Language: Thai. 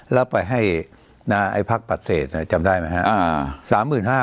แล้วไปให้ไอ้พรรคปัตเศสจำได้ไหมฮะ